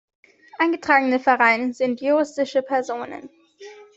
Eingetragene Vereine sind juristische Personen.